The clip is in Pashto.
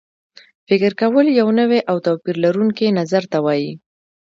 فکر کول یو نوي او توپیر لرونکي نظر ته وایي.